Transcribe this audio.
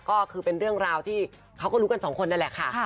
ก็คือเป็นเรื่องราวที่เขาก็รู้กันสองคนนั่นแหละค่ะ